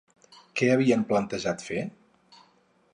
Què havien planejat fer?